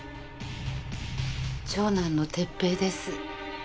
長男の哲平です。